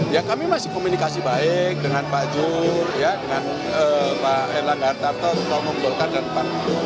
ya kami masih komunikasi baik dengan pak juh ya dengan pak erlangga hartarto pak omong golkar dan pak juh